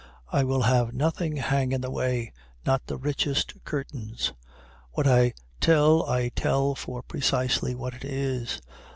I will have nothing hang in the way, not the richest curtains. What I tell I tell for precisely what it is.